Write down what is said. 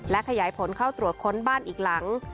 และขยายผลเข้าตรวจค้นบ้านอีกหลัง